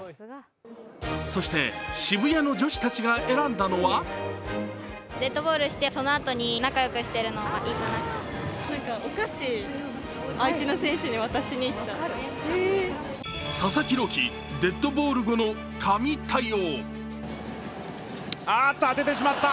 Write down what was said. そして、渋谷の女子たちが選んだのは佐々木朗希、デッドボール後の神対応。